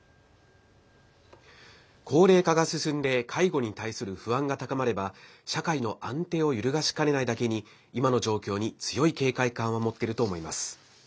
高齢化が進んで介護に対する不安が高まれば社会の安定を揺るがしかねないだけに今の状況に強い警戒感は持っていると思います。